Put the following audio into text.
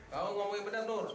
kau ngomongin benar nur